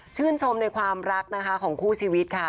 ชื่นชมในความรักของคู่ชีวิตค่ะ